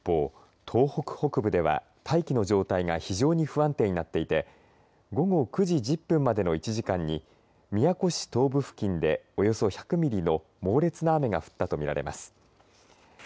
一方、東北北部では大気の状態が非常に不安定になっていて午後９時１０分までの１時間に宮古市東部付近でおよそ１００ミリの猛烈な雨が降ったと見られます。